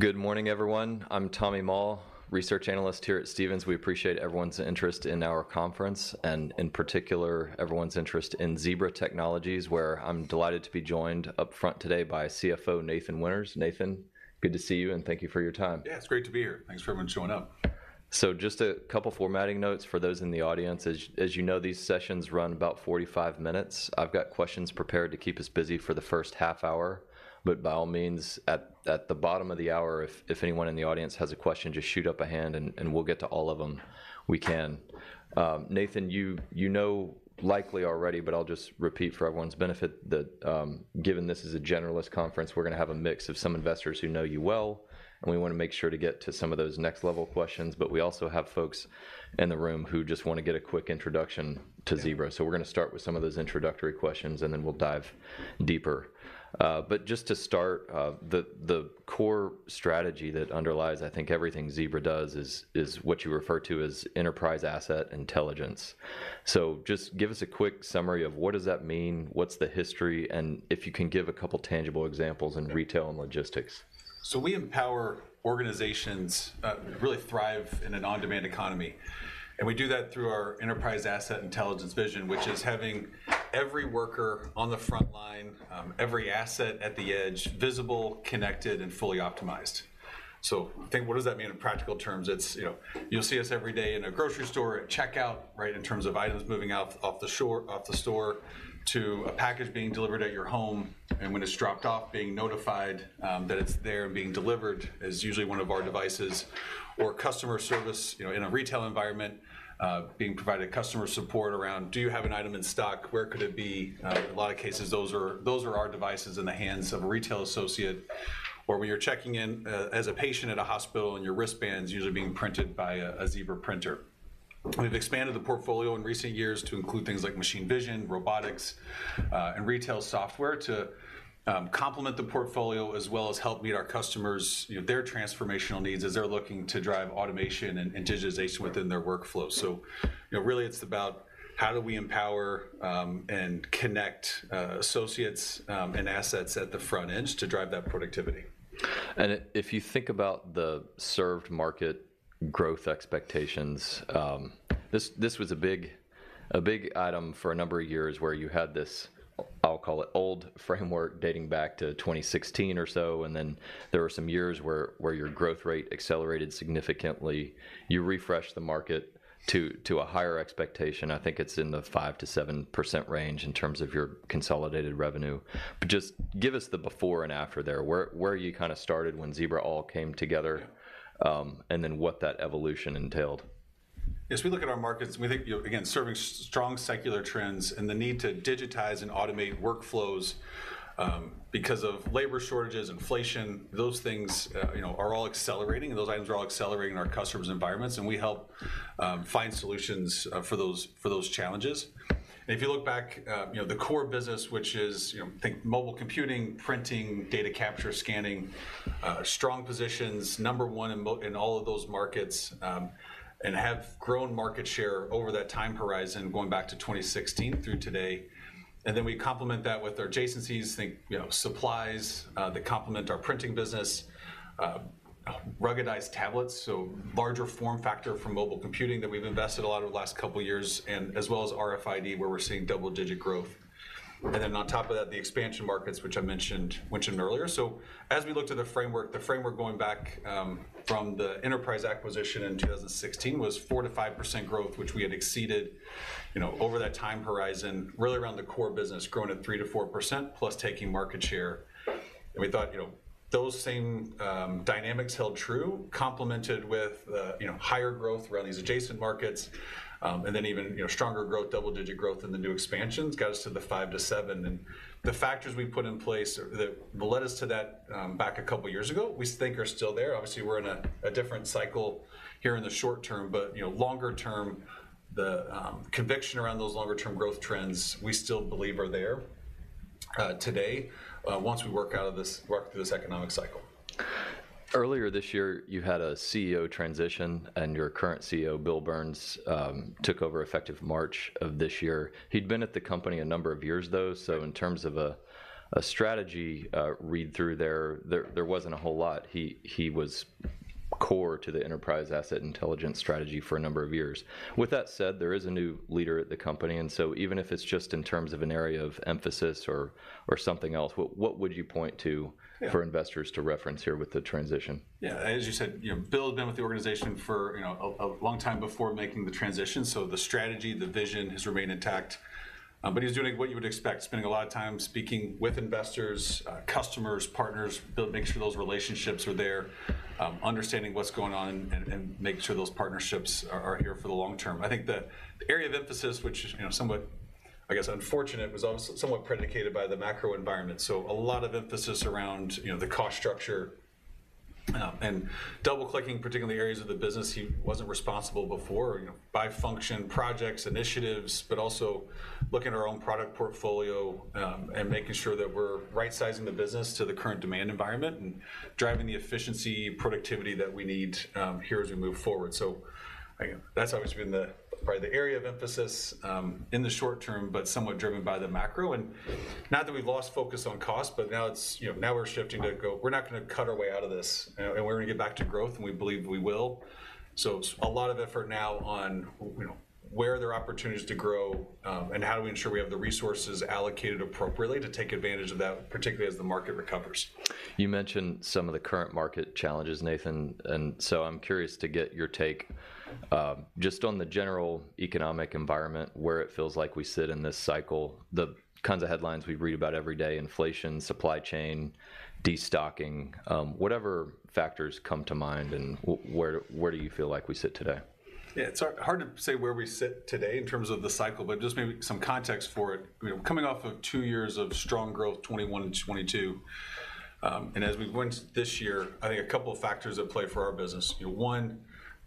Good morning, everyone. I'm Tommy Moll, Research Analyst here at Stephens. We appreciate everyone's interest in our conference, and in particular, everyone's interest in Zebra Technologies, where I'm delighted to be joined up front today by CFO, Nathan Winters. Nathan, good to see you, and thank you for your time. Yeah, it's great to be here. Thanks for everyone showing up. So just a couple formatting notes for those in the audience. As you know, these sessions run about 45 minutes. I've got questions prepared to keep us busy for the first half hour, but by all means, at the bottom of the hour, if anyone in the audience has a question, just shoot up a hand, and we'll get to all of them we can. Nathan, you know likely already, but I'll just repeat for everyone's benefit, that, given this is a generalist conference, we're gonna have a mix of some investors who know you well, and we wanna make sure to get to some of those next-level questions. But we also have folks in the room who just wanna get a quick introduction to Zebra. Yeah. So we're gonna start with some of those introductory questions, and then we'll dive deeper. But just to start, the core strategy that underlies, I think, everything Zebra does, is what you refer to as Enterprise Asset Intelligence. So just give us a quick summary of what does that mean, what's the history, and if you can give a couple tangible examples? Yeah... in retail and logistics. So we empower organizations, really thrive in an on-demand economy, and we do that through our Enterprise Asset Intelligence vision, which is having every worker on the frontline, every asset at the edge, visible, connected, and fully optimized. So think, what does that mean in practical terms? It's, you know... You'll see us every day in a grocery store at checkout, right, in terms of items moving out off the store, to a package being delivered at your home, and when it's dropped off, being notified, that it's there and being delivered, is usually one of our devices. Or customer service, you know, in a retail environment, being provided customer support around, "Do you have an item in stock? Where could it be?" In a lot of cases, those are, those are our devices in the hands of a retail associate. Or when you're checking in, as a patient at a hospital, and your wristband's usually being printed by a Zebra printer. We've expanded the portfolio in recent years to include things like machine vision, robotics, and retail software to complement the portfolio, as well as help meet our customers, you know, their transformational needs as they're looking to drive automation and digitization within their workflow. So, you know, really, it's about how do we empower and connect associates and assets at the front edge to drive that productivity? And if you think about the served market growth expectations, this was a big item for a number of years, where you had this, I'll call it, old framework dating back to 2016 or so, and then there were some years where your growth rate accelerated significantly. You refreshed the market to a higher expectation. I think it's in the 5%-7% range in terms of your consolidated revenue. But just give us the before and after there. Where you kind of started when Zebra all came together, Yeah.... and then what that evolution entailed. As we look at our markets, we think, you know, again, serving strong secular trends and the need to digitize and automate workflows because of labor shortages, inflation, those things, you know, are all accelerating, and those items are all accelerating in our customers' environments, and we help find solutions for those challenges. If you look back, you know, the core business, which is, you know, think mobile computing, printing, data capture, scanning, strong positions, number one in all of those markets, and have grown market share over that time horizon, going back to 2016 through today. And then we complement that with adjacencies, think, you know, supplies that complement our printing business, ruggedized tablets, so larger form factor from mobile computing that we've invested a lot over the last couple of years, and as well as RFID, where we're seeing double-digit growth. And then on top of that, the expansion markets, which I mentioned, mentioned earlier. So as we looked at the framework, the framework going back from the enterprise acquisition in 2016 was 4%-5% growth, which we had exceeded, you know, over that time horizon, really around the core business, growing at 3%-4%, plus taking market share. We thought, you know, those same dynamics held true, complemented with, you know, higher growth around these adjacent markets, and then even, you know, stronger growth, double-digit growth in the new expansions, got us to the five to seven. The factors we've put in place that led us to that, back a couple of years ago, we think are still there. Obviously, we're in a different cycle here in the short term, but, you know, longer term, the conviction around those longer-term growth trends, we still believe are there, today, once we work through this economic cycle. Earlier this year, you had a CEO transition, and your current CEO, Bill Burns, took over effective March of this year. He'd been at the company a number of years, though, so in terms of a strategy read-through there, there wasn't a whole lot. He was core to the Enterprise Asset Intelligence strategy for a number of years. With that said, there is a new leader at the company, and so even if it's just in terms of an area of emphasis or something else, what would you point to- Yeah.... for investors to reference here with the transition? Yeah. As you said, you know, Bill had been with the organization for, you know, a long time before making the transition, so the strategy, the vision, has remained intact. But he's doing what you would expect, spending a lot of time speaking with investors, customers, partners, making sure those relationships are there, understanding what's going on and making sure those partnerships are here for the long term. I think the area of emphasis, which is, you know, somewhat, I guess, unfortunate, was also somewhat predicated by the macro environment. So a lot of emphasis around, you know, the cost structure. And double-clicking particularly areas of the business he wasn't responsible before, you know, by function, projects, initiatives, but also looking at our own product portfolio, and making sure that we're right-sizing the business to the current demand environment, and driving the efficiency, productivity that we need, here as we move forward. So, again, that's obviously been probably the area of emphasis, in the short term, but somewhat driven by the macro. And not that we've lost focus on cost, but now it's, you know, now we're shifting. We're not gonna cut our way out of this, and we're gonna get back to growth, and we believe we will. It's a lot of effort now on you know, where are there opportunities to grow, and how do we ensure we have the resources allocated appropriately to take advantage of that, particularly as the market recovers? You mentioned some of the current market challenges, Nathan, and so I'm curious to get your take, just on the general economic environment, where it feels like we sit in this cycle, the kinds of headlines we read about every day: inflation, supply chain, destocking, whatever factors come to mind, and where do you feel like we sit today? Yeah, it's hard to say where we sit today in terms of the cycle, but just maybe some context for it. You know, coming off of two years of strong growth, 2021 and 2022, and as we went this year, I think a couple of factors at play for our business. You know, one,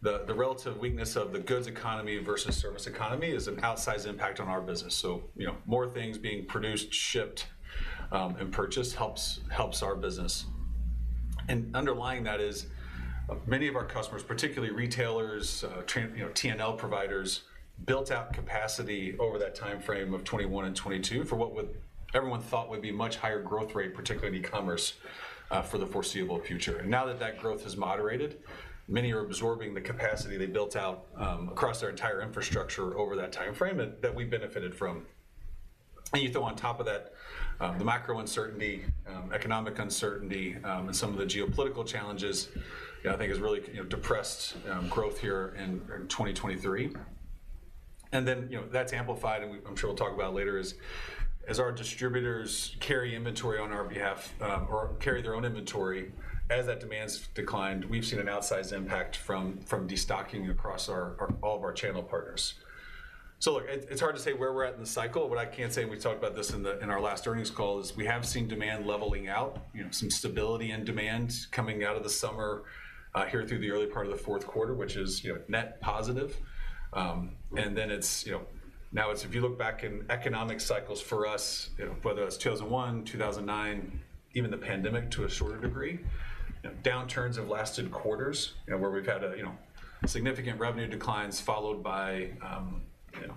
the relative weakness of the goods economy versus service economy is an outsized impact on our business. So, you know, more things being produced, shipped, and purchased helps our business. And underlying that is, many of our customers, particularly retailers, T&L providers, built out capacity over that timeframe of 2021 and 2022 for what would everyone thought would be much higher growth rate, particularly in e-commerce, for the foreseeable future. Now that that growth has moderated, many are absorbing the capacity they built out across their entire infrastructure over that timeframe, and that we benefited from. You throw on top of that the macro uncertainty, economic uncertainty, and some of the geopolitical challenges. I think has really, you know, depressed growth here in 2023. And then, you know, that's amplified, and I'm sure we'll talk about later, is as our distributors carry inventory on our behalf or carry their own inventory. As that demand's declined, we've seen an outsized impact from destocking across all of our channel partners. So look, it's hard to say where we're at in the cycle. What I can say, and we talked about this in our last earnings call, is we have seen demand leveling out, you know, some stability in demand coming out of the summer here through the early part of the fourth quarter, which is, you know, net positive. And then it's, you know, now it's if you look back in economic cycles for us, you know, whether it's 2001, 2009, even the pandemic to a shorter degree, you know, downturns have lasted quarters, you know, where we've had a significant revenue declines followed by, you know,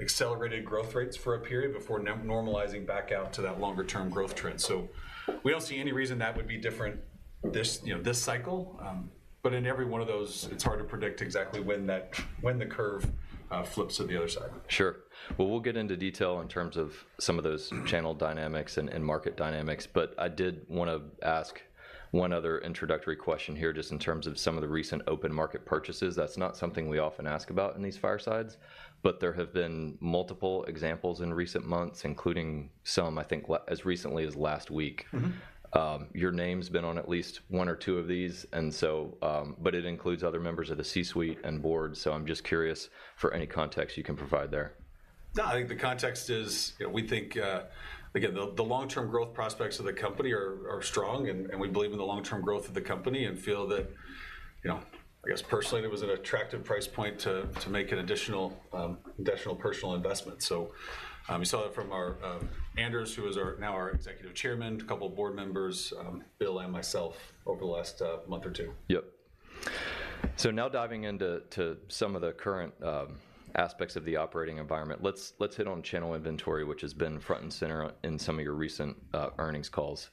accelerated growth rates for a period before normalizing back out to that longer term growth trend. So we don't see any reason that would be different this, you know, this cycle, but in every one of those, it's hard to predict exactly when that, when the curve, flips to the other side. Sure. Well, we'll get into detail in terms of some of those channel dynamics and market dynamics, but I did wanna ask one other introductory question here, just in terms of some of the recent open market purchases. That's not something we often ask about in these firesides, but there have been multiple examples in recent months, including some, I think, as recently as last week. Mm-hmm. Your name's been on at least one or two of these, and so, but it includes other members of the C-suite and board, so I'm just curious for any context you can provide there. No, I think the context is, you know, we think, again, the long-term growth prospects of the company are strong, and we believe in the long-term growth of the company, and feel that, you know, I guess personally, it was an attractive price point to make an additional personal investment. So, you saw that from our Anders, who is now our Executive Chairman, a couple of board members, Bill, and myself over the last month or two. Yep. So now diving into some of the current aspects of the operating environment. Let's hit on channel inventory, which has been front and center in some of your recent earnings calls.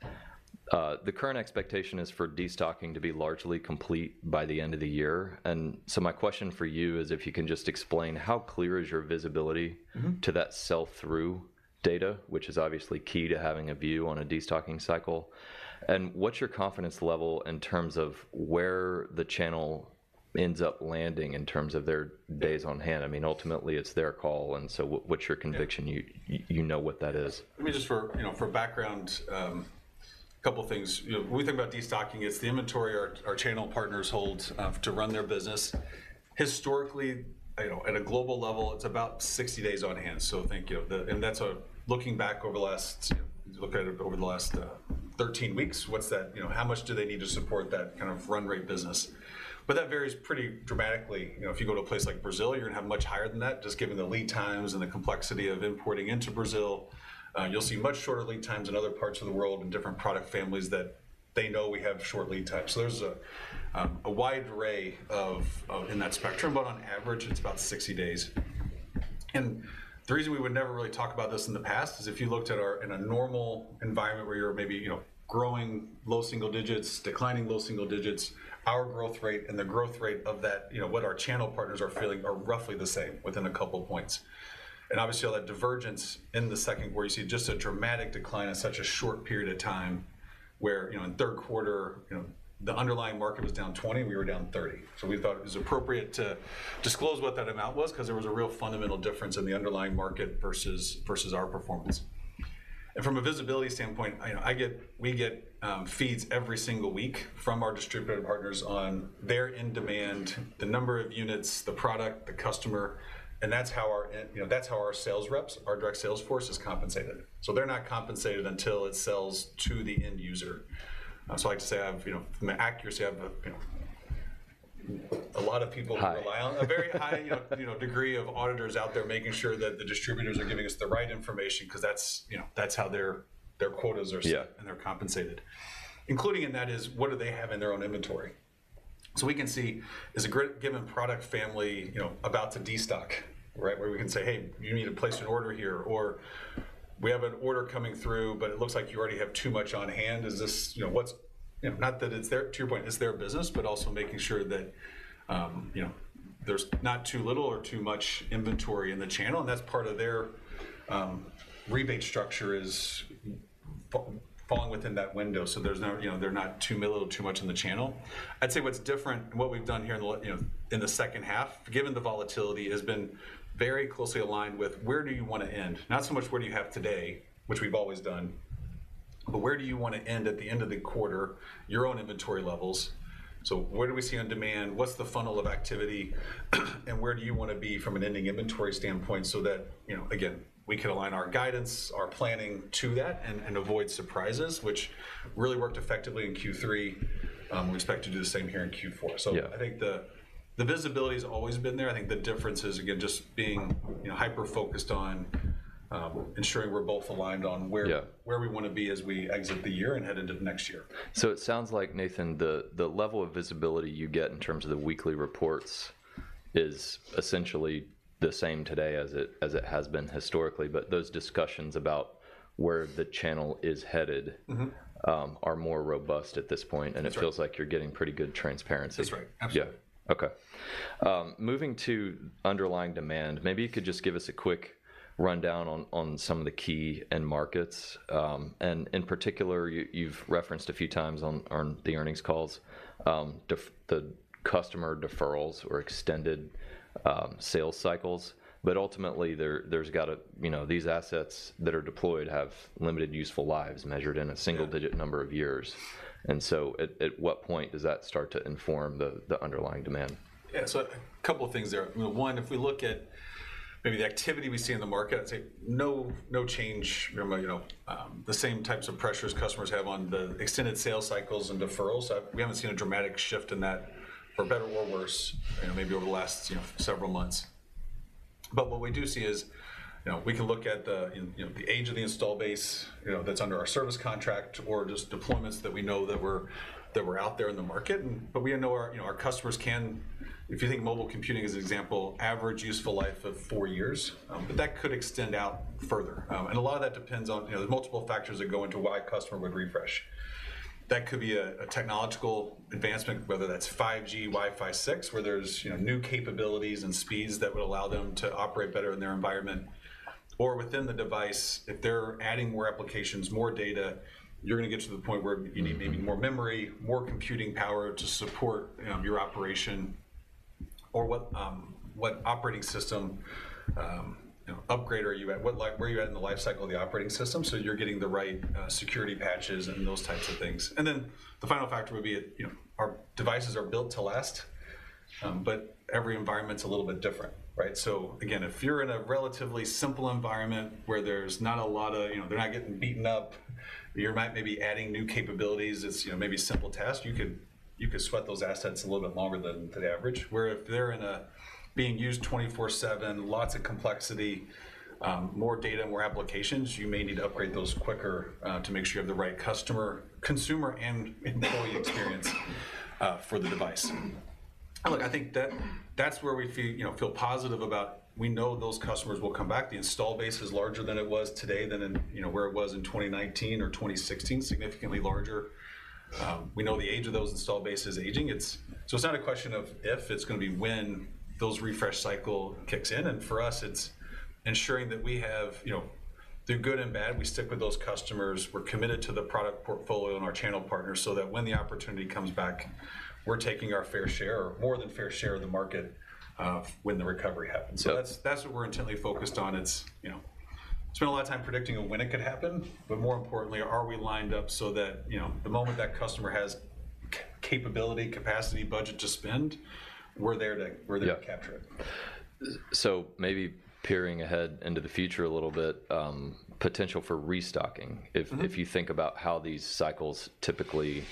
The current expectation is for destocking to be largely complete by the end of the year, and so my question for you is if you can just explain how clear is your visibility, Mm-hmm.... to that sell-through data, which is obviously key to having a view on a destocking cycle, and what's your confidence level in terms of where the channel ends up landing in terms of their days on hand? I mean, ultimately, it's their call, and so what's your conviction, Yeah.... you know what that is? Let me just for, you know, for background, a couple things. You know, when we think about destocking, it's the inventory our channel partners hold to run their business. Historically, you know, at a global level, it's about 60 days on hand. So think of the... And that's looking back over the last, you know, looking at it over the last 13 weeks, what's that, you know, how much do they need to support that kind of run rate business? But that varies pretty dramatically. You know, if you go to a place like Brazil, you're gonna have much higher than that, just given the lead times and the complexity of importing into Brazil. You'll see much shorter lead times in other parts of the world and different product families that they know we have short lead times. So there's a wide array of in that spectrum, but on average, it's about 60 days. And the reason we would never really talk about this in the past is if you looked at our- in a normal environment where you're maybe, you know, growing low single digits, declining low single digits, our growth rate and the growth rate of that, you know, what our channel partners are feeling, are roughly the same within a couple of points. And obviously, all that divergence in the second, where you see just a dramatic decline in such a short period of time, where, you know, in third quarter, you know, the underlying market was down 20, and we were down 30. So we thought it was appropriate to disclose what that amount was, 'cause there was a real fundamental difference in the underlying market versus, versus our performance. From a visibility standpoint, I know we get feeds every single week from our distributor partners on their end demand, the number of units, the product, the customer, and that's how our—you know, that's how our sales reps, our direct sales force, is compensated. So they're not compensated until it sells to the end user. So I'd like to say I have, you know, from an accuracy, I have a—you know—a lot of people rely on, Hi. -a very high, you know, degree of auditors out there, making sure that the distributors are giving us the right information, 'cause that's, you know, that's how their quotas are set, Yeah.... and they're compensated. Including in that is, what do they have in their own inventory? So we can see, is a given product family, you know, about to destock, right? Where we can say, "Hey, you need to place an order here," or, "We have an order coming through, but it looks like you already have too much on hand. Is this..." You know, what's... Not that it's their - to your point, it's their business, but also making sure that, you know, there's not too little or too much inventory in the channel, and that's part of their rebate structure is falling within that window. So there's no, you know, they're not too little, too much in the channel. I'd say what's different, and what we've done here in the you know, in the second half, given the volatility, has been very closely aligned with, where do you want to end? Not so much where do you have today, which we've always done, but where do you want to end at the end of the quarter, your own inventory levels? So what do we see on demand? What's the funnel of activity? And where do you want to be from an ending inventory standpoint, so that, you know, again, we can align our guidance, our planning to that, and, and avoid surprises, which really worked effectively in Q3. We expect to do the same here in Q4. Yeah. So I think the visibility's always been there. I think the difference is, again, just being, you know, hyper-focused on ensuring we're both aligned on where- Yeah.... where we wanna be as we exit the year and head into next year. So it sounds like, Nathan, the level of visibility you get in terms of the weekly reports is essentially the same today as it has been historically, but those discussions about where the channel is headed, Mm-hmm.... are more robust at this point, That's right. It feels like you're getting pretty good transparency. That's right. Absolutely. Yeah. Okay. Moving to underlying demand, maybe you could just give us a quick rundown on some of the key end markets. And in particular, you've referenced a few times on the earnings calls the customer deferrals or extended sales cycles. But ultimately, there's got to... You know, these assets that are deployed have limited useful lives, measured in a, Yeah.... single-digit number of years. And so at what point does that start to inform the underlying demand? Yeah, so a couple of things there. One, if we look at maybe the activity we see in the market, I'd say no, no change. You know, the same types of pressures customers have on the extended sales cycles and deferrals. We haven't seen a dramatic shift in that, for better or worse, you know, maybe over the last, you know, several months. But what we do see is, you know, we can look at the, you know, the age of the installed base, you know, that's under our service contract, or just deployments that we know that were out there in the market. But we know our, you know, our customers can... If you think mobile computing as an example, average useful life of four years, but that could extend out further. And a lot of that depends on, you know, there's multiple factors that go into why a customer would refresh. That could be a technological advancement, whether that's 5G, Wi-Fi 6, where there's, you know, new capabilities and speeds that would allow them to operate better in their environment. Or within the device, if they're adding more applications, more data, you're gonna get to the point where you need maybe more memory, more computing power to support, you know, your operation. Or what, what operating system, you know, upgrade are you at? Where are you at in the life cycle of the operating system? So you're getting the right, security patches and those types of things. And then, the final factor would be, you know, our devices are built to last, but every environment's a little bit different, right? So again, if you're in a relatively simple environment where there's not a lot of... You know, they're not getting beaten up, you might maybe adding new capabilities. It's, you know, maybe a simple task. You could, you could sweat those assets a little bit longer than, than average. Where if they're in a being used 24/7, lots of complexity, more data, more applications, you may need to upgrade those quicker, to make sure you have the right customer, consumer, and employee experience, for the device. Look, I think that- that's where we feel, you know, feel positive about, we know those customers will come back. The install base is larger than it was today than in, you know, where it was in 2019 or 2016, significantly larger. We know the age of those install base is aging. So it's not a question of if, it's gonna be when those refresh cycle kicks in, and for us, it's ensuring that we have, you know, through good and bad, we stick with those customers. We're committed to the product portfolio and our channel partners, so that when the opportunity comes back, we're taking our fair share, or more than fair share of the market, when the recovery happens. Yeah. So that's, that's what we're intently focused on. It's, you know, spend a lot of time predicting when it could happen, but more importantly, are we lined up so that, you know, the moment that customer has capability, capacity, budget to spend, we're there to, Yeah.... we're there to capture it. Maybe peering ahead into the future a little bit, potential for restocking. Mm-hmm. If you think about how these cycles typically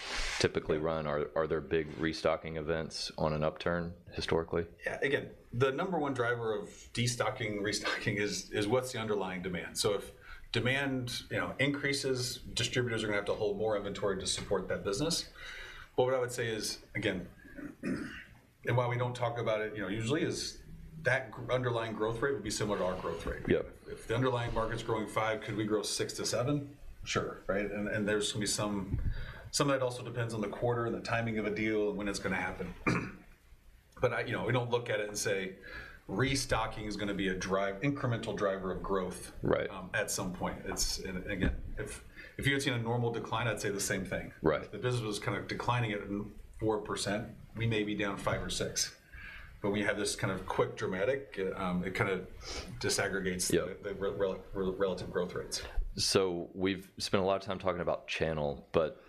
run, are there big restocking events on an upturn, historically? Yeah. Again, the number one driver of destocking, restocking is what's the underlying demand? So if demand, you know, increases, distributors are gonna have to hold more inventory to support that business. But what I would say is, again, and while we don't talk about it, you know, usually is that underlying growth rate would be similar to our growth rate. Yeah. If the underlying market's growing five, could we grow six to seven? Sure, right? And there's gonna be some... Some of that also depends on the quarter, the timing of a deal, and when it's gonna happen. But you know, we don't look at it and say: Restocking is gonna be an incremental driver of growth, Right.... at some point. It's, and again, if you're seeing a normal decline, I'd say the same thing. Right. If the business was kind of declining at 4%, we may be down 5 or 6. But we have this kind of quick, dramatic... It kind of disaggregates, Yeah.... the relative growth rates. So we've spent a lot of time talking about channel, but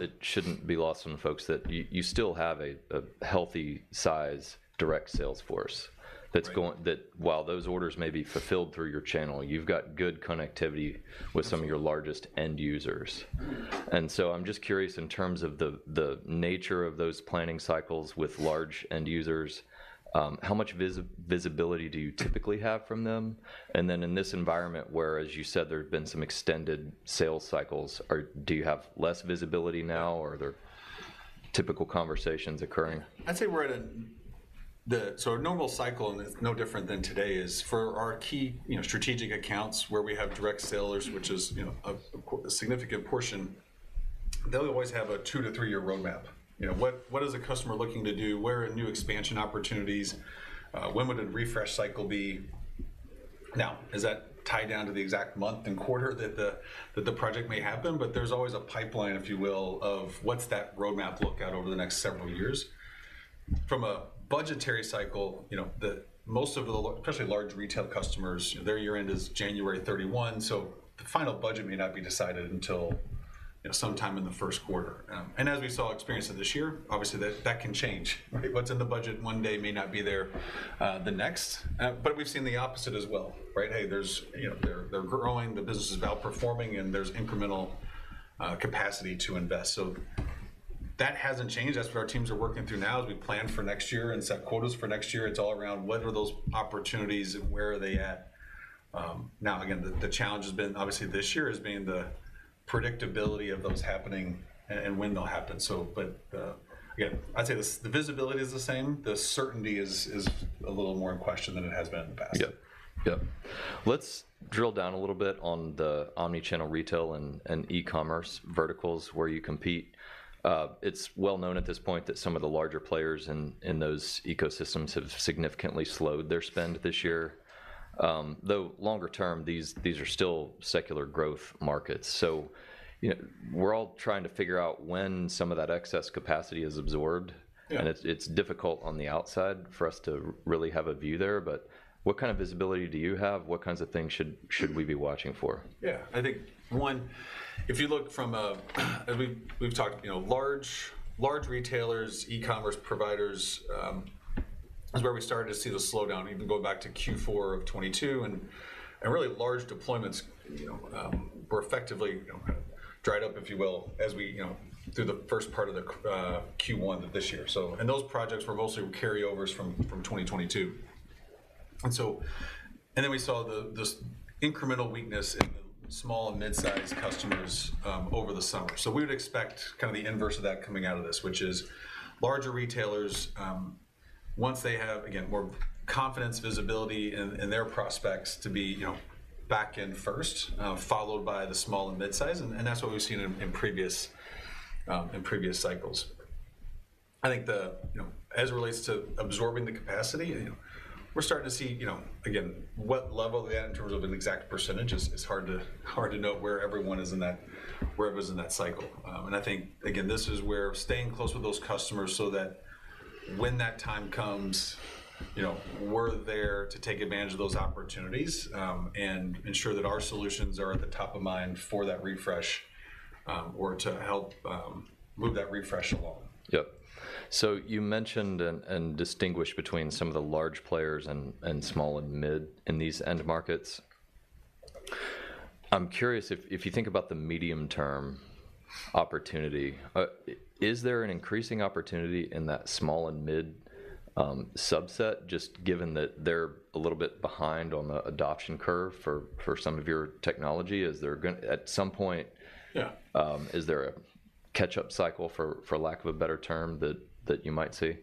it shouldn't be lost on folks that you, you still have a, a healthy size direct sales force, Right.... that's going, that while those orders may be fulfilled through your channel, you've got good connectivity with some of your largest end users. Mm-hmm. And so I'm just curious, in terms of the nature of those planning cycles with large end users, how much visibility do you typically have from them? And then, in this environment, where, as you said, there have been some extended sales cycles, do you have less visibility now, or are there typical conversations occurring? I'd say we're at. So a normal cycle, and it's no different than today, is for our key, you know, strategic accounts, where we have direct sellers, which is, you know, a significant portion, they'll always have a two to three-year roadmap. You know, what is the customer looking to do? Where are new expansion opportunities? When would a refresh cycle be? Now, is that tied down to the exact month and quarter that the project may happen? But there's always a pipeline, if you will, of what's that roadmap look at over the next several years. From a budgetary cycle, you know, most of the especially large retail customers, their year end is January 31, so the final budget may not be decided until, you know, sometime in the first quarter. And as we saw experienced this year, obviously, that can change, right? What's in the budget one day may not be there the next, but we've seen the opposite as well, right? Hey, there's, you know, they're growing, the business is outperforming, and there's incremental capacity to invest. So that hasn't changed. That's what our teams are working through now as we plan for next year and set quotas for next year. It's all around what are those opportunities and where are they at? Now, again, the challenge has been, obviously, this year, the predictability of those happening and when they'll happen. But, again, I'd say the visibility is the same. The certainty is a little more in question than it has been in the past. Yep. Yep. Let's drill down a little bit on the omni-channel retail and e-commerce verticals where you compete. It's well known at this point that some of the larger players in those ecosystems have significantly slowed their spend this year. Though, longer term, these are still secular growth markets. So, you know, we're all trying to figure out when some of that excess capacity is absorbed, Yeah.... and it's difficult on the outside for us to really have a view there, but what kind of visibility do you have? What kinds of things should we be watching for? Yeah. I think, one, if you look from a, as we've, we've talked, you know, large, large retailers, e-commerce providers, is where we started to see the slowdown, even going back to Q4 of 2022, and, and really large deployments, you know, were effectively, you know, kind of dried up, if you will, as we, you know, through the first part of the Q1 this year. So, and those projects were mostly carryovers from, from 2022. And so, and then we saw the, this incremental weakness in the small and mid-sized customers, over the summer. So we would expect kind of the inverse of that coming out of this, which is larger retailers, once they have, again, more confidence, visibility in their prospects to be, you know, back in first, followed by the small and midsize, and that's what we've seen in previous cycles. I think, you know, as it relates to absorbing the capacity, you know, we're starting to see, you know, again, what level they had in terms of an exact percentage is hard to know where it was in that cycle. I think, again, this is where staying close with those customers so that when that time comes, you know, we're there to take advantage of those opportunities, and ensure that our solutions are at the top of mind for that refresh, or to help move that refresh along. Yep. So you mentioned and distinguished between some of the large players and small and mid in these end markets. I'm curious if you think about the medium-term opportunity, is there an increasing opportunity in that small and mid subset, just given that they're a little bit behind on the adoption curve for some of your technology? Is there gon- at some point, Yeah.... is there a catch-up cycle, for lack of a better term, that you might see?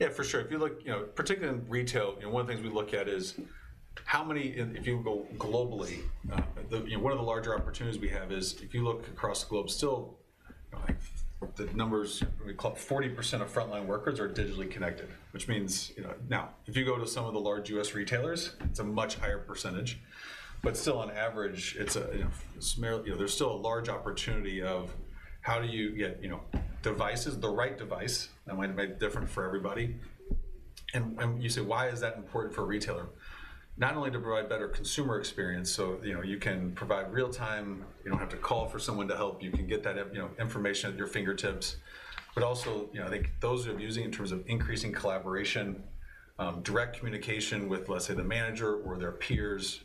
Yeah, for sure. If you look, you know, particularly in retail, you know, one of the things we look at is how many... and if you go globally, the, you know, one of the larger opportunities we have is, if you look across the globe, still, you know, the numbers, 40% of frontline workers are digitally connected, which means, you know... Now, if you go to some of the large U.S. retailers, it's a much higher percentage, but still, on average, it's a, you know, small- you know, there's still a large opportunity of how do you get, you know, devices, the right device, that might make it different for everybody. And when you say: "Why is that important for a retailer?" Not only to provide better consumer experience, so, you know, you can provide real-time, you don't have to call for someone to help, you can get that in, you know, information at your fingertips, but also, you know, I think those who are using in terms of increasing collaboration, direct communication with, let's say, the manager or their peers,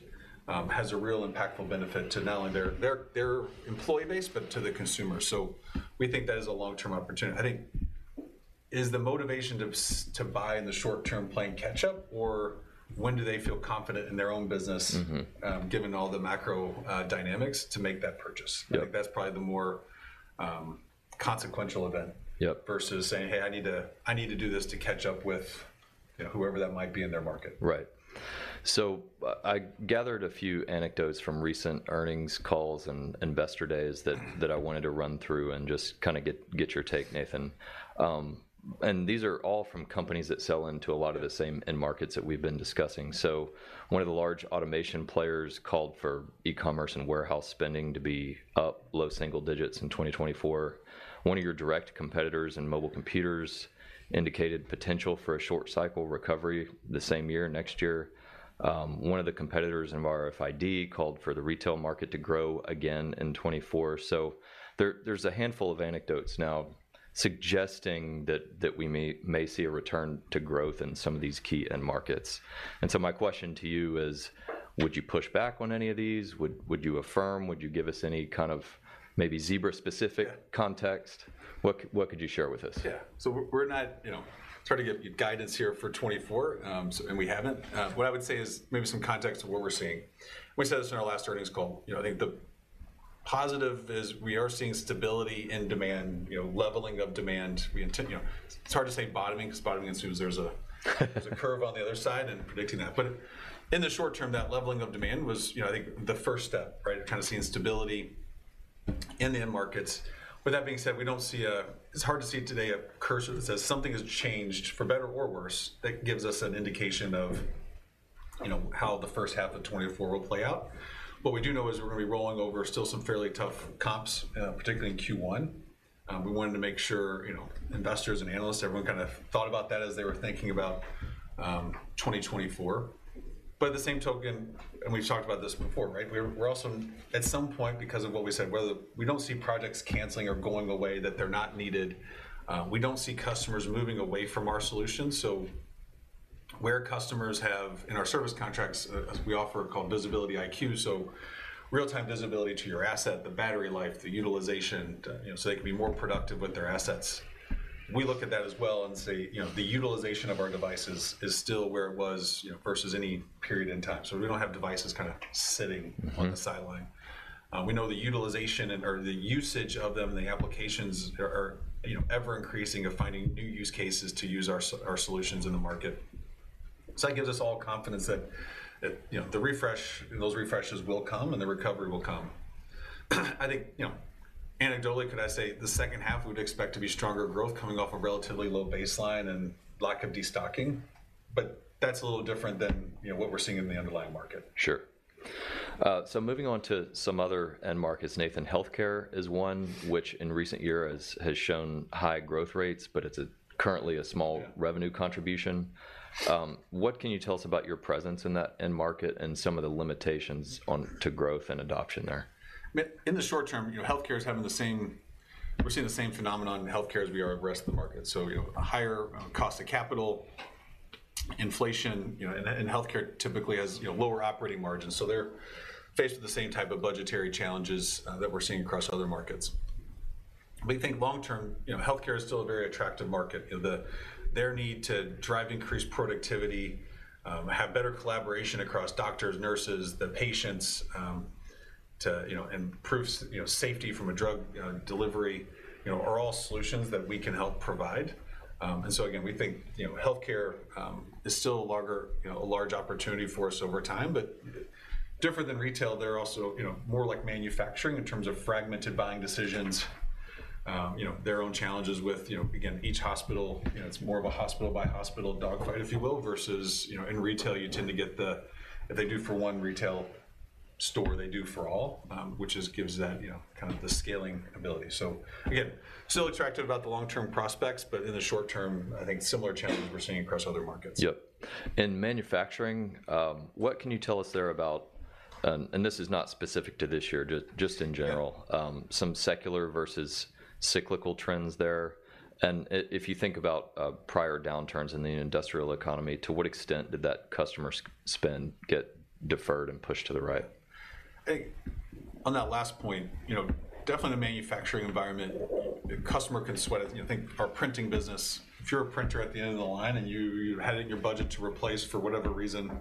has a real impactful benefit to not only their, their, their employee base, but to the consumer. So we think that is a long-term opportunity. I think, is the motivation to buy in the short term playing catch-up, or when do they feel confident in their own business- Mm-hmm.... given all the macro, dynamics to make that purchase? Yep. I think that's probably the more consequential event, Yep.... versus saying, "Hey, I need to, I need to do this to catch up with," you know, whoever that might be in their market. Right. So I gathered a few anecdotes from recent earnings calls and investor days that I wanted to run through and just kind of get your take, Nathan. And these are all from companies that sell into a lot of the same end markets that we've been discussing. So one of the large automation players called for e-commerce and warehouse spending to be up low single digits in 2024. One of your direct competitors in mobile computers indicated potential for a short cycle recovery the same year, next year. One of the competitors in RFID called for the retail market to grow again in 2024. So there, there's a handful of anecdotes now suggesting that we may see a return to growth in some of these key end markets. So my question to you is, would you push back on any of these? Would you affirm? Would you give us any kind of maybe Zebra-specific, Yeah.... context? What, what could you share with us? Yeah. So we're not, you know, trying to give you guidance here for 2024, and we haven't. What I would say is maybe some context of what we're seeing. We said this in our last earnings call. You know, I think the positive is we are seeing stability in demand, you know, leveling of demand. We intend, you know, it's hard to say bottoming, 'cause bottoming assumes there's a curve on the other side and predicting that. But in the short term, that leveling of demand was, you know, I think the first step, right? Kind of seeing stability in the end markets. With that being said, we don't see a. It's hard to see today a cursor that says something has changed, for better or worse, that gives us an indication of, you know, how the first half of 2024 will play out. What we do know is we're gonna be rolling over still some fairly tough comps, particularly in Q1. We wanted to make sure, you know, investors and analysts, everyone kind of thought about that as they were thinking about 2024. By the same token, and we've talked about this before, right? We're also, at some point, because of what we said, whether we don't see projects canceling or going away, that they're not needed. We don't see customers moving away from our solutions. So where customers have, in our service contracts, as we offer, called VisibilityIQ, so real-time visibility to your asset, the battery life, the utilization, you know, so they can be more productive with their assets. We look at that as well and say, you know, the utilization of our devices is still where it was, you know, versus any period in time. So we don't have devices kind of sitting, Mm-hmm.... on the sideline. We know the utilization and or the usage of them, the applications are, you know, ever increasing of finding new use cases to use our our solutions in the market. So that gives us all confidence that, you know, the refresh, those refreshes will come, and the recovery will come. I think, you know, anecdotally, could I say, the second half we'd expect to be stronger growth coming off a relatively low baseline and lack of destocking, but that's a little different than, you know, what we're seeing in the underlying market. Sure. So moving on to some other end markets, Nathan, healthcare is one which in recent years has shown high growth rates, but it's currently a small- Yeah.... revenue contribution. What can you tell us about your presence in that end market and some of the limitations on to growth and adoption there? I mean, in the short term, you know, healthcare is having the same—we're seeing the same phenomenon in healthcare as we are the rest of the market. So, you know, a higher cost of capital, inflation, you know, and healthcare typically has, you know, lower operating margins, so they're faced with the same type of budgetary challenges that we're seeing across other markets. We think long term, you know, healthcare is still a very attractive market. You know, their need to drive increased productivity, have better collaboration across doctors, nurses, the patients, to, you know, improve safety from a drug delivery, you know, are all solutions that we can help provide. And so again, we think, you know, healthcare is still a larger, you know, a large opportunity for us over time, but different than retail, they're also, you know, more like manufacturing in terms of fragmented buying decisions. You know, their own challenges with, you know, again, each hospital, you know, it's more of a hospital by hospital dogfight, if you will, versus, you know, in retail you tend to get the... If they do for one retail store, they do for all, which is gives that, you know, kind of the scaling ability. So again, still attractive about the long-term prospects, but in the short term, I think similar challenges we're seeing across other markets. Yep. In manufacturing, what can you tell us there about, and this is not specific to this year, just in general, Yeah.... some secular versus cyclical trends there? And if you think about, prior downturns in the industrial economy, to what extent did that customer spend get deferred and pushed to the right? On that last point, you know, definitely a manufacturing environment, customer can sweat it. You think our printing business, if you're a printer at the end of the line and you had it in your budget to replace, for whatever reason,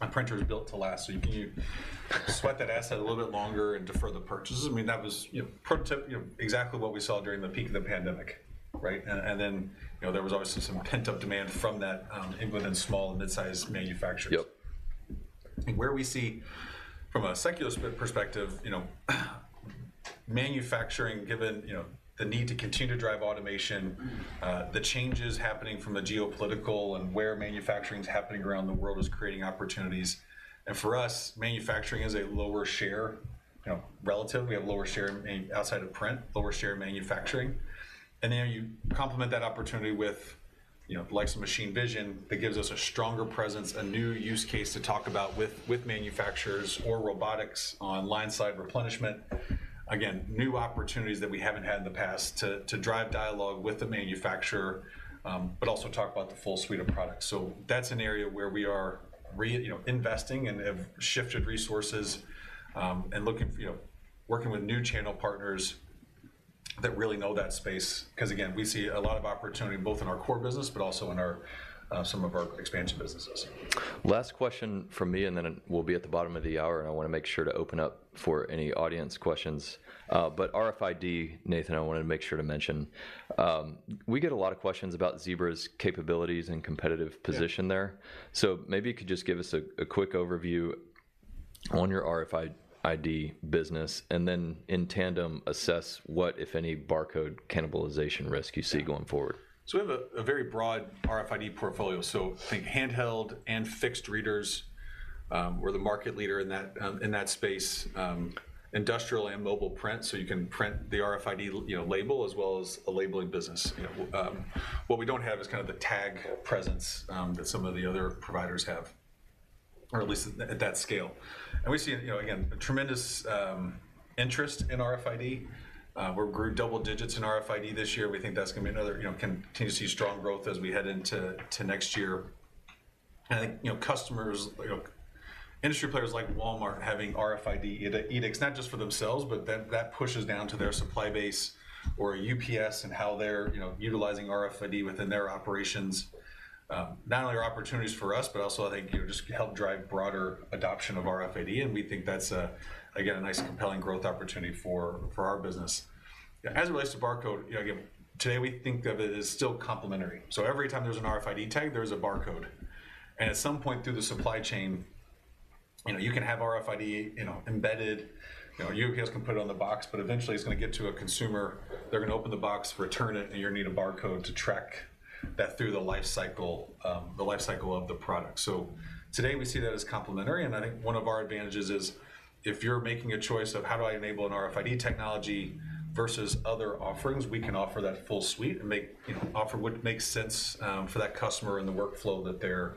a printer is built to last, so you can sweat that asset a little bit longer and defer the purchases. I mean, that was, you know, exactly what we saw during the peak of the pandemic, right? And then, you know, there was obviously some pent-up demand from that within small and mid-sized manufacturers. Yep. Where we see, from a secular perspective, you know, manufacturing, given, you know, the need to continue to drive automation, the changes happening from a geopolitical and where manufacturing's happening around the world is creating opportunities. And for us, manufacturing is a lower share. You know, relatively, we have lower share in, outside of print, lower share in manufacturing. And then you complement that opportunity with, you know, the likes of machine vision, that gives us a stronger presence, a new use case to talk about with, with manufacturers or robotics on line-side replenishment. Again, new opportunities that we haven't had in the past to, to drive dialogue with the manufacturer, but also talk about the full suite of products. So that's an area where we are, you know, investing and have shifted resources, and looking, you know, working with new channel partners that really know that space. 'Cause again, we see a lot of opportunity both in our core business, but also in our some of our expansion businesses. Last question from me, and then we'll be at the bottom of the hour, and I wanna make sure to open up for any audience questions. But RFID, Nathan, I wanted to make sure to mention. We get a lot of questions about Zebra's capabilities and competitive position there. Yeah. Maybe you could just give us a quick overview on your RFID business, and then in tandem, assess what, if any, barcode cannibalization risk you see going forward? So we have a very broad RFID portfolio. So think handheld and fixed readers, we're the market leader in that, in that space, industrial and mobile print, so you can print the RFID, you know, label as well as a labeling business, you know. What we don't have is kind of the tag presence that some of the other providers have, or at least at that scale. And we see, you know, again, tremendous interest in RFID. We grew double digits in RFID this year. We think that's gonna be another, you know, continue to see strong growth as we head into next year.... And I think, you know, customers, like, industry players like Walmart having RFID edicts, not just for themselves, but that, that pushes down to their supply base, or UPS and how they're, you know, utilizing RFID within their operations. Not only are opportunities for us, but also I think, you know, just help drive broader adoption of RFID, and we think that's, again, a nice compelling growth opportunity for, for our business. As it relates to barcode, you know, again, today we think of it as still complementary. So every time there's an RFID tag, there's a barcode, and at some point through the supply chain, you know, you can have RFID, you know, embedded. You know, you guys can put it on the box, but eventually it's gonna get to a consumer. They're gonna open the box, return it, and you're gonna need a barcode to track that through the life cycle of the product. So today, we see that as complementary, and I think one of our advantages is, if you're making a choice of, "How do I enable an RFID technology versus other offerings?" We can offer that full suite and make—you know, offer what makes sense for that customer and the workflow that they're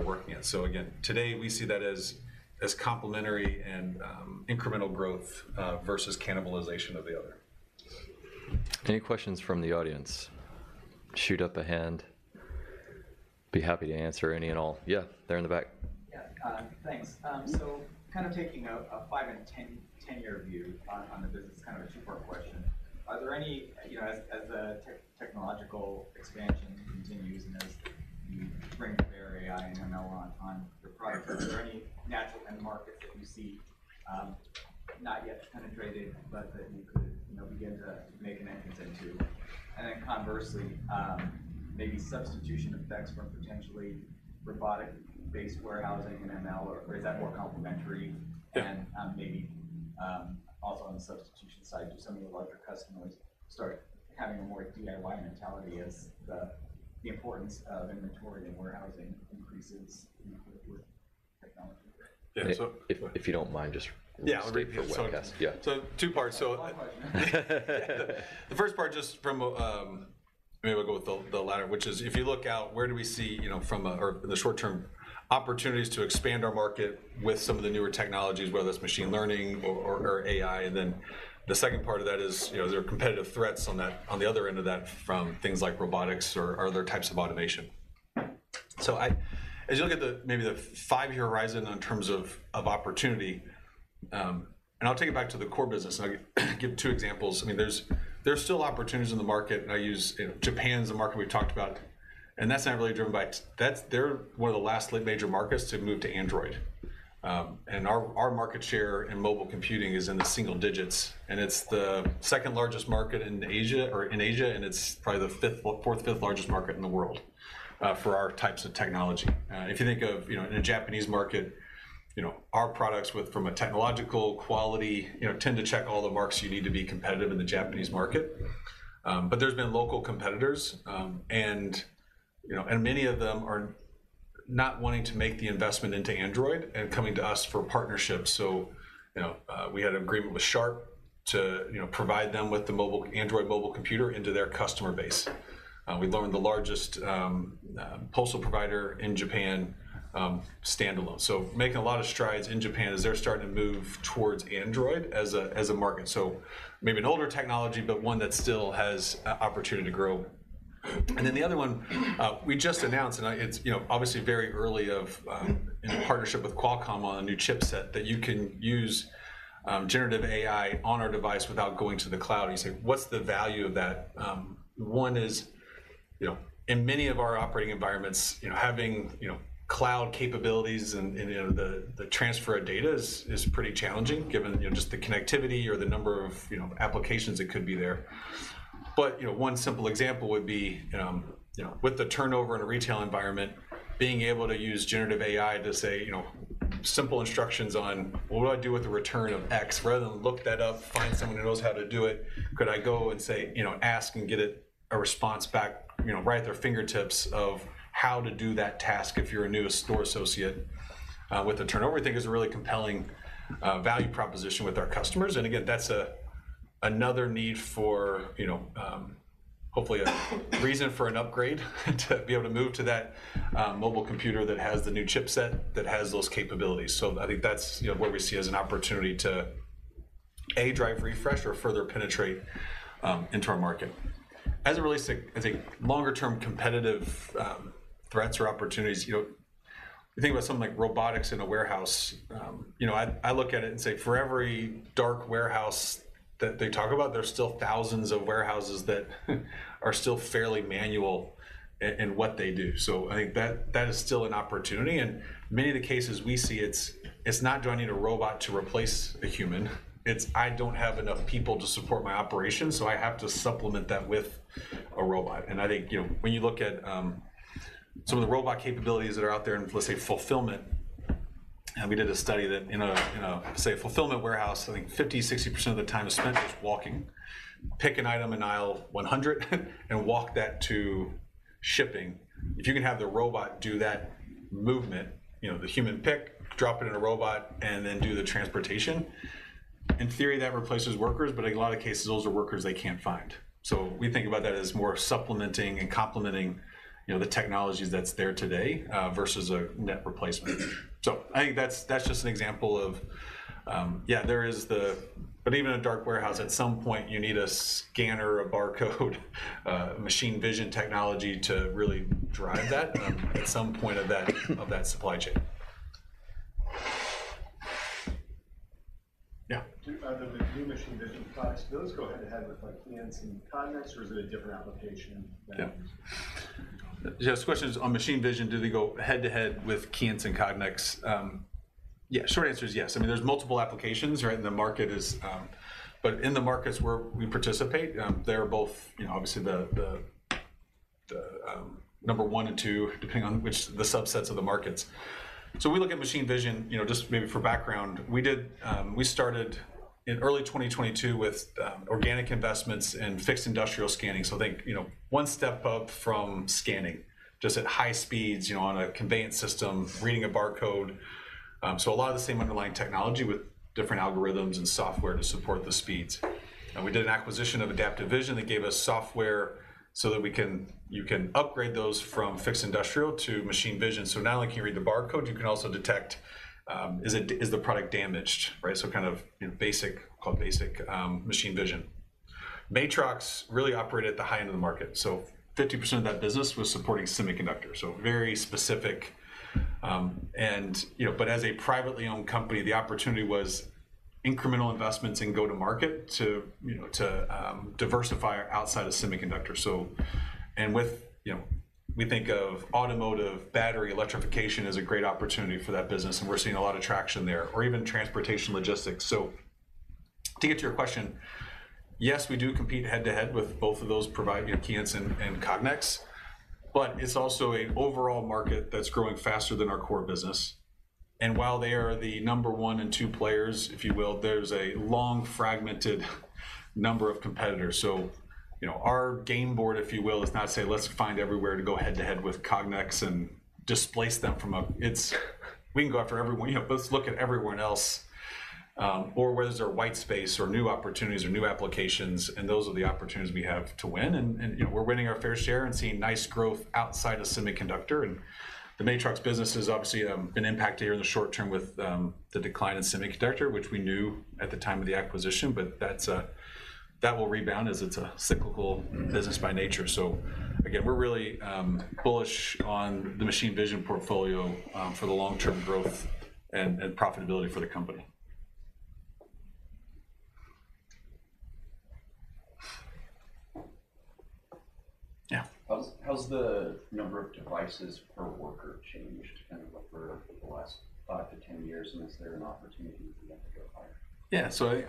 working in. So again, today, we see that as complementary and incremental growth versus cannibalization of the other. Any questions from the audience? Shoot up a hand. Be happy to answer any and all. Yeah, there in the back. Yeah, thanks. So kind of taking a five and 10-year view on the business, kind of a two-part question: are there any... You know, as technological expansion continues, and as you bring up your AI and ML on your product, are there any natural end markets that you see not yet penetrated, but that you could, you know, begin to make an entrance into? And then conversely, maybe substitution effects from potentially robotic-based warehousing and ML, or is that more complementary? Yeah. Maybe also on the substitution side, do some of your larger customers start having a more DIY mentality as the importance of inventory and warehousing increases with technology? Yeah, so, If you don't mind, just, Yeah, I'll, Straight for webcast. Yeah. So two parts, so, Long question. The first part, just from a... Maybe we'll go with the latter, which is, if you look out, where do we see, you know, from a or the short-term opportunities to expand our market with some of the newer technologies, whether it's machine learning or AI? And then the second part of that is, you know, there are competitive threats on that, on the other end of that, from things like robotics or other types of automation. So, as you look at the, maybe the five-year horizon in terms of opportunity... And I'll take it back to the core business, and I'll give two examples. I mean, there's still opportunities in the market, and I use, you know, Japan as a market we've talked about, and that's not really – they're one of the last major markets to move to Android. And our market share in mobile computing is in the single digits, and it's the second largest market in Asia, and it's probably the fourth, fifth largest market in the world for our types of technology. If you think of, you know, in a Japanese market, you know, our products from a technological quality, you know, tend to check all the marks you need to be competitive in the Japanese market. But there's been local competitors, and, you know, many of them are not wanting to make the investment into Android and coming to us for partnerships. So, you know, we had an agreement with Sharp to, you know, provide them with the mobile Android mobile computer into their customer base. We landed the largest postal provider in Japan, standalone. So making a lot of strides in Japan as they're starting to move towards Android as a, as a market. So maybe an older technology, but one that still has opportunity to grow. And then the other one, we just announced, and it's, you know, obviously very early in a partnership with Qualcomm on a new chipset that you can use generative AI on our device without going to the cloud. You say, "What's the value of that?" One is, you know, in many of our operating environments, you know, having, you know, cloud capabilities and, and, you know, the, the transfer of data is, is pretty challenging, given, you know, just the connectivity or the number of, you know, applications that could be there. But, you know, one simple example would be, you know, with the turnover in a retail environment, being able to use generative AI to say, you know, simple instructions on, "What would I do with a return of X?" Rather than look that up, find someone who knows how to do it, could I go and say, you know, ask and get it, a response back, you know, right at their fingertips of how to do that task if you're a new store associate, with the turnover, we think is a really compelling, value proposition with our customers. And again, that's, another need for, you know, hopefully a reason for an upgrade, to be able to move to that, mobile computer that has the new chip set, that has those capabilities. So I think that's, you know, where we see as an opportunity to, A, drive refresh or further penetrate into our market. As it relates to, I think, longer term competitive threats or opportunities, you know, you think about something like robotics in a warehouse. You know, I look at it and say, for every dark warehouse that they talk about, there's still thousands of warehouses that are still fairly manual in what they do. So I think that is still an opportunity, and many of the cases we see, it's not, "Do I need a robot to replace a human?" It's, "I don't have enough people to support my operation, so I have to supplement that with a robot." And I think, you know, when you look at some of the robot capabilities that are out there in, let's say, fulfillment, and we did a study that, in a say, fulfillment warehouse, I think 50-60% of the time is spent just walking. Pick an item in aisle 100, and walk that to shipping. If you can have the robot do that movement, you know, the human pick, drop it in a robot, and then do the transportation, in theory, that replaces workers, but in a lot of cases, those are workers they can't find. So we think about that as more supplementing and complementing, you know, the technologies that's there today versus a net replacement. So I think that's just an example of... but even a dark warehouse, at some point, you need a scanner, a barcode machine vision technology to really drive that at some point of that, of that supply chain. Yeah? Do the new machine vision products go head-to-head with, like, Keyence and Cognex, or is it a different application than- Yeah. Jess, the question is, on machine vision, do they go head-to-head with Keyence and Cognex? Yeah, short answer is yes. I mean, there's multiple applications, right? And the market is... But in the markets where we participate, they're both, you know, obviously the number one and two, depending on which the subsets of the markets. So when we look at machine vision, you know, just maybe for background, we did, we started in early 2022 with organic investments in fixed industrial scanning. So think, you know, one step up from scanning, just at high speeds, you know, on a conveyance system, reading a barcode. So a lot of the same underlying technology with different algorithms and software to support the speeds. We did an acquisition of Adaptive Vision that gave us software so that we can- you can upgrade those from fixed industrial to machine vision. So not only can you read the barcode, you can also detect, is it-- is the product damaged, right? So kind of, you know, basic, called basic, machine vision. Matrox really operated at the high end of the market, so 50% of that business was supporting semiconductors, so very specific. And, you know, but as a privately owned company, the opportunity was incremental investments in go-to-market to, you know, to, diversify outside of semiconductors. So, and with... You know, we think of automotive, battery electrification as a great opportunity for that business, and we're seeing a lot of traction there, or even transportation logistics. So to get to your question, yes, we do compete head-to-head with both of those providers, you know, Keyence and Cognex, but it's also an overall market that's growing faster than our core business. And while they are the number one and two players, if you will, there's a long, fragmented number of competitors. So, you know, our game board, if you will, is not say, let's find everywhere to go head-to-head with Cognex and displace them from a... It's we can go after everyone. You know, let's look at everyone else, or where there's a white space or new opportunities or new applications, and those are the opportunities we have to win. And, you know, we're winning our fair share and seeing nice growth outside of semiconductor. The Matrox business has obviously been impacted here in the short term with the decline in semiconductor, which we knew at the time of the acquisition, but that will rebound as it's a cyclical business by nature. So again, we're really bullish on the machine vision portfolio for the long-term growth and profitability for the company. Yeah. How's the number of devices per worker changed kind of over the last 5-10 years, and is there an opportunity for that to go higher? Yeah. So I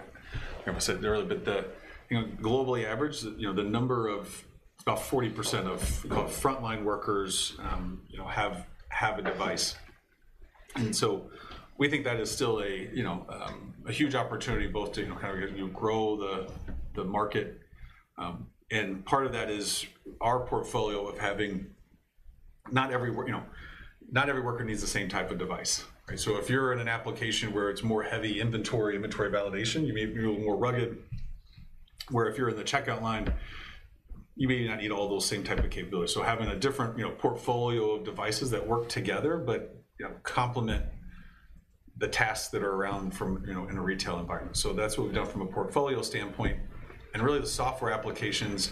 kind of said earlier, but the, you know, globally average, you know, the number of about 40% of frontline workers, you know, have a device. And so we think that is still a, you know, a huge opportunity both to, you know, kind of you know, grow the market. And part of that is our portfolio of having not every work- you know, not every worker needs the same type of device, right? So if you're in an application where it's more heavy inventory, inventory validation, you may need a little more rugged, where if you're in the checkout line, you may not need all those same type of capabilities. So having a different, you know, portfolio of devices that work together, but, you know, complement the tasks that are around from, you know, in a retail environment. So that's what we've done from a portfolio standpoint. And really, the software applications,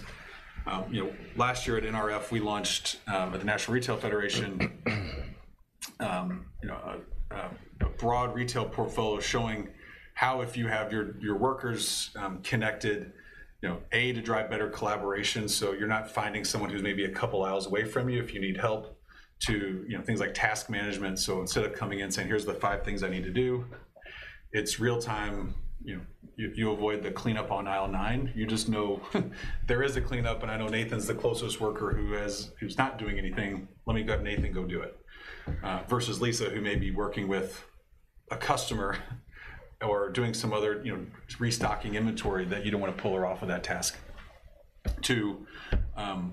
you know, last year at NRF, we launched, at the National Retail Federation, you know, a broad retail portfolio showing how if you have your workers connected, you know, to drive better collaboration, so you're not finding someone who's maybe a couple hours away from you if you need help, to, you know, things like task management. So instead of coming in saying, "Here's the five things I need to do," it's real time. You know, you avoid the cleanup on aisle nine. You just know there is a cleanup, and I know Nathan's the closest worker who is, who's not doing anything. Let me have Nathan go do it. Versus Lisa, who may be working with a customer or doing some other, you know, restocking inventory that you don't want to pull her off of that task. To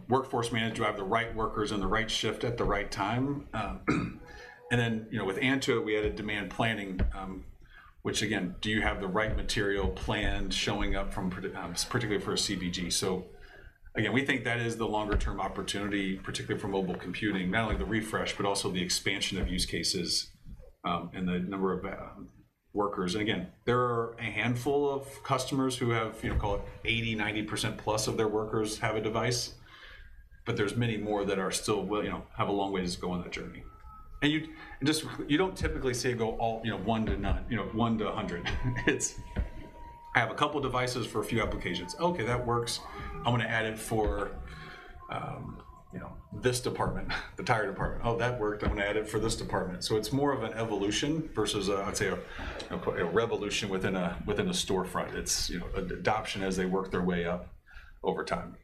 workforce manage, do I have the right workers on the right shift at the right time? And then, you know, with Antuit, we added demand planning, which again, do you have the right material planned showing up, particularly for a CPG? So again, we think that is the longer-term opportunity, particularly for mobile computing, not only the refresh, but also the expansion of use cases, and the number of workers. And again, there are a handful of customers who have, you know, call it 80, 90% plus of their workers have a device, but there's many more that are still will, you know, have a long way to go on that journey. And just... You don't typically say go all, you know, 1 to 9, you know, 1 to 100. It's I have a couple devices for a few applications. Okay, that works. I'm gonna add it for, you know, this department, the tire department. Oh, that worked. I'm gonna add it for this department. So it's more of an evolution versus, I'd say, a, a revolution within a, within a storefront. It's, you know, adoption as they work their way up over time.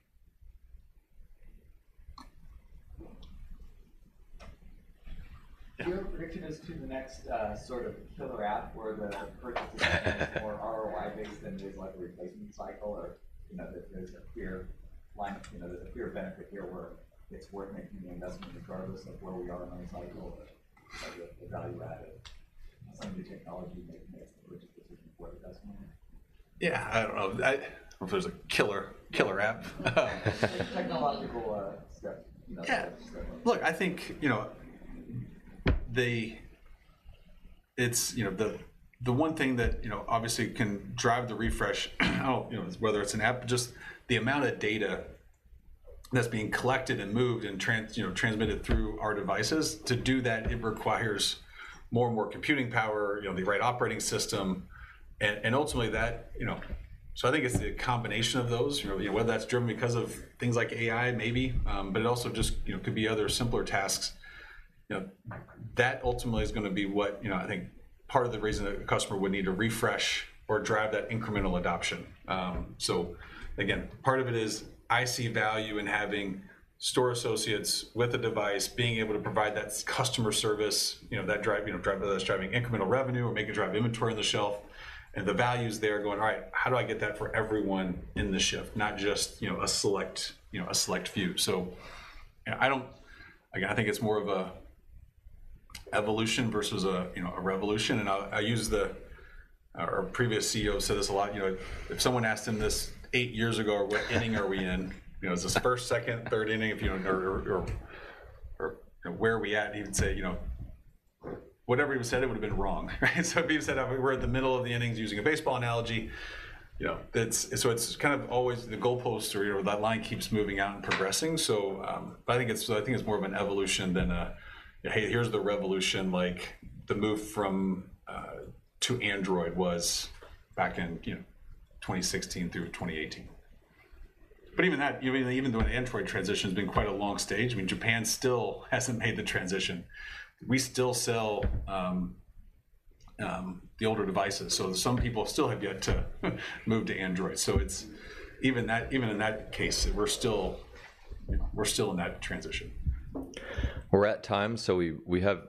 Your prediction as to the next sort of killer app or the purchase or ROI based rather than just like a replacement cycle, or, you know, there, there's a clear line, you know, there's a clear benefit here, where it's worth making the investment regardless of where we are in the cycle or the value added. Some new technology making a strategic decision for the customer? Yeah, I don't know if there's a killer, killer app. Technological, step, you know, Yeah. Step up. Look, I think, you know, they, it's, you know, the one thing that, you know, obviously can drive the refresh, you know, whether it's an app, just the amount of data that's being collected and moved, and transmitted through our devices. To do that, it requires more and more computing power, you know, the right operating system, and ultimately, that, you know. So I think it's the combination of those, you know, whether that's driven because of things like AI, maybe, but it also just, you know, could be other simpler tasks. You know, that ultimately is gonna be what, you know, I think part of the reason a customer would need to refresh or drive that incremental adoption. So again, part of it is I see value in having store associates with a device, being able to provide that customer service, you know, that drive, you know, drive, that's driving incremental revenue or maybe drive inventory on the shelf, and the value's there, going, "All right, how do I get that for everyone in the shift, not just, you know, a select, you know, a select few?" So, yeah, I don't. Again, I think it's more of a evolution versus a, you know, a revolution, and I use the... Our previous CEO said this a lot, you know, if someone asked him this eight years ago, "What inning are we in? You know, is this first, second, third inning?" If you, or, or, or, "Where are we at?" He would say, you know, whatever he would've said, it would've been wrong, right? So he would've said we're in the middle of the innings, using a baseball analogy. You know, it's, so it's kind of always the goalpost or, you know, that line keeps moving out and progressing, so, but I think it's, I think it's more of an evolution than a, "Hey, here's the revolution," like the move from, to Android was back in, you know, 2016 through 2018. But even that, you know, even though the Android transition's been quite a long stage, I mean, Japan still hasn't made the transition. We still sell, the older devices, so some people still have yet to move to Android. So it's, even that, even in that case, we're still, we're still in that transition. We're at time, so we have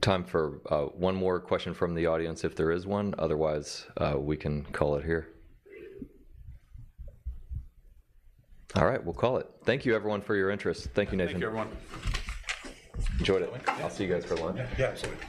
time for one more question from the audience, if there is one. Otherwise, we can call it here. All right, we'll call it. Thank you, everyone, for your interest. Thank you, Nathan. Thank you, everyone. Enjoyed it. I'll see you guys for lunch. Yeah.